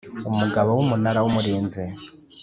Umugabo w Umunara w Umurinzi